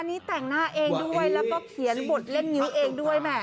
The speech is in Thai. อันนี้แต่งหน้าเองด้วยแล้วก็เขียนบทเล่นงิ้วเองด้วยแหม